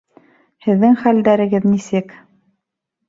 Һеҙҙең хәлдәрегеҙ нисек?